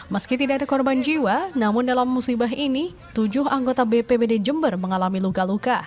meski tidak ada korban jiwa namun dalam musibah ini tujuh anggota bpbd jember mengalami luka luka